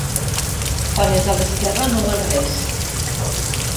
Quan és a l'esquerra no val res.